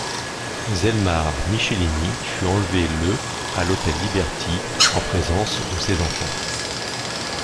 Zelmar Michelini fut enlevé le à l'hôtel Liberty, en présence de ses enfants.